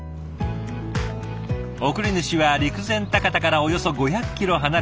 送り主は陸前高田からおよそ５００キロ離れた